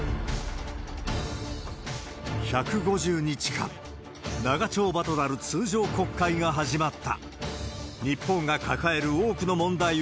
１５０日間、長丁場となる通常国会が始まった。